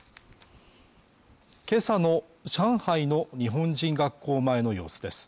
今朝の上海の日本人学校前の様子です